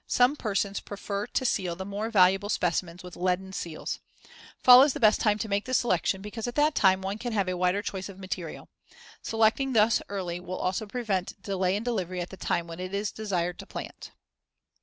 Some persons prefer to seal the more valuable specimens with leaden seals. Fall is the best time to make the selection, because at that time one can have a wider choice of material. Selecting thus early will also prevent delay in delivery at the time when it is desired to plant.